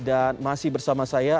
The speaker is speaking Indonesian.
dan masih bersama saya